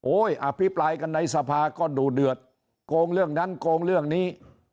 อภิปรายกันในสภาก็ดูเดือดโกงเรื่องนั้นโกงเรื่องนี้